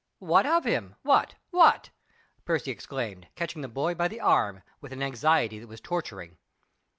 "What of him? What? What?" Percy exclaimed, catching the boy by the arm, with an anxiety that was torturing.